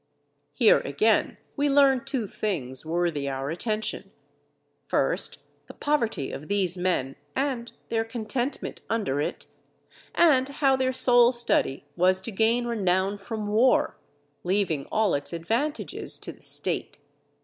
Here again we learn two things worthy our attention: first, the poverty of these men and their contentment under it, and how their sole study was to gain renown from war, leaving all its advantages to the State.